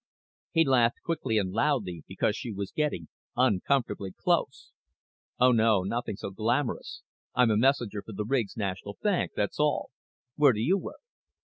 He laughed quickly and loudly because she was getting uncomfortably close. "Oh, no. Nothing so glamorous. I'm a messenger for the Riggs National Bank, that's all. Where do you work?"